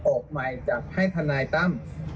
ออกมาให้จับทนายตั้ม